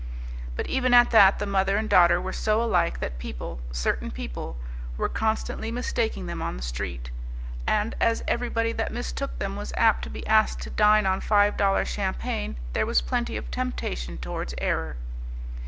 But even at that the mother and daughter were so alike that people, certain people, were constantly mistaking them on the street. And as everybody that mistook them was apt to be asked to dine on five dollar champagne there was plenty of temptation towards error.